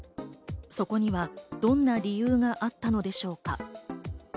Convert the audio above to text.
そこにはどんな理由があったのでしょうか。